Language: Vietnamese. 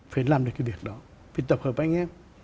phải làm được cái việc đó phải tập hợp anh em